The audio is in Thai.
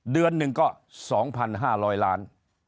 เดือนหนึ่งก็สองพันห้าร้อยล้าน